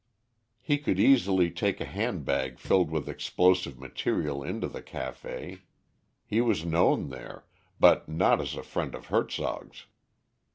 He could easily take a handbag filled with explosive material into the café. He was known there, but not as a friend of Hertzog's.